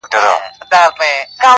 نن چي محتسب پر ګودرونو لنډۍ وچي کړې!!